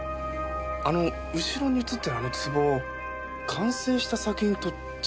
あの後ろに映ってるあの壺完成した作品と違ってませんか？